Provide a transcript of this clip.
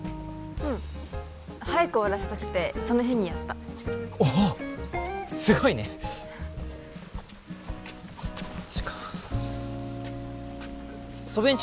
うん早く終わらせたくてその日にやったおおすごいねマジか祖父江んち